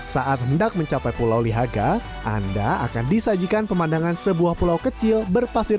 saat hendak mencapai pulau lihaga anda akan disajikan pemandangan sebuah pulau kecil berpasir